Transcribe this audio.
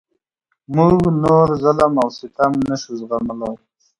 موږ نور ظلم او ستم نشو زغملای.